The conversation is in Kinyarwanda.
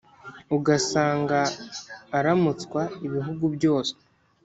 ugasanga aramutswa ibihugu byose,